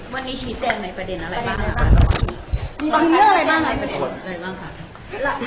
วันนี้ฉีดแซมในประเด็นอะไรบ้าง